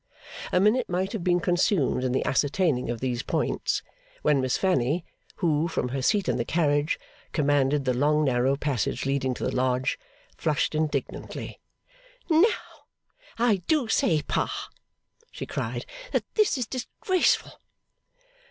A minute might have been consumed in the ascertaining of these points, when Miss Fanny, who, from her seat in the carriage, commanded the long narrow passage leading to the Lodge, flushed indignantly. 'Now I do say, Pa,' cried she, 'that this is disgraceful!